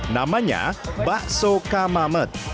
namanya bakso kamamet